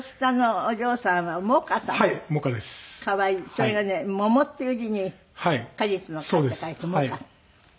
それがね「桃」っていう字に果実の「果」って書いて「桃果」。